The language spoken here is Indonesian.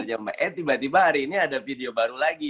eh tiba tiba hari ini ada video baru lagi